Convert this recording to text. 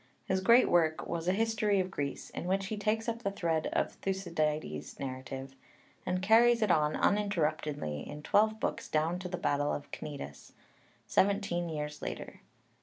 His great work was a history of Greece, in which he takes up the thread of Thucydides's narrative, and carries it on uninterruptedly in twelve books down to the battle of Knidus, seventeen years later.